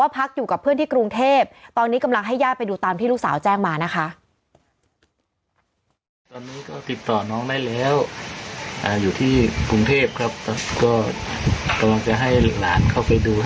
พักอยู่กับเพื่อนที่กรุงเทพตอนนี้กำลังให้ญาติไปดูตามที่ลูกสาวแจ้งมานะคะ